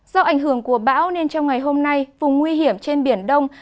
do ảnh hưởng của bão nên trong ngày hôm nay vùng nguy hiểm trên biển đông